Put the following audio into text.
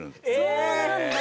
そうなんだ！